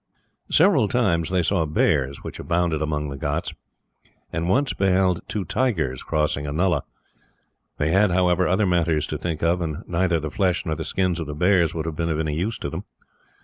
Several times they saw bears, which abounded among the ghauts, and once beheld two tigers crossing a nullah. They had, however, other matters to think of, and neither the flesh nor the skins of the bears would have been of any use to them.